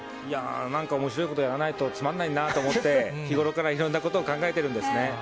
いやー、なんかおもしろいことやらないとつまらないなと思って、日頃からいろんなことを考えてるんですね。